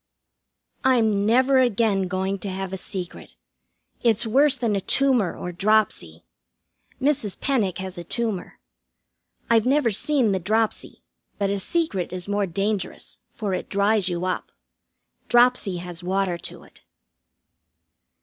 I'm never again going to have a secret. It's worse than a tumor or dropsy. Mrs. Penick has a tumor. I've never seen the dropsy, but a secret is more dangerous, for it dries you up. Dropsy has water to it.